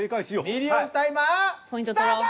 ミリオンタイマースタート！